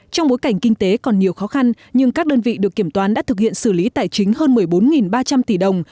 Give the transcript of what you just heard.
trong bối cảnh kinh tế còn nhiều khó khăn nhưng các đơn vị được kiểm toán đã thực hiện xử lý tài chính hơn một mươi bốn ba trăm linh tỷ đồng